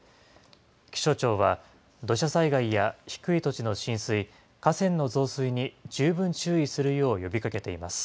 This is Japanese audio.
気象庁は、土砂災害や低い土地の浸水、河川の増水に十分注意するよう呼びかけています。